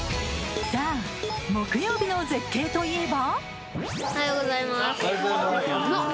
さぁ木曜日の絶景といえば？